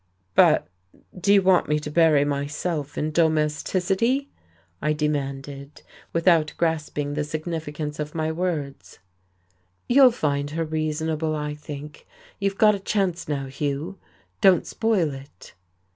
"But do you want me to bury myself in domesticity?" I demanded, without grasping the significance of my words. "You'll find her reasonable, I think. You've got a chance now, Hugh. Don't spoil it."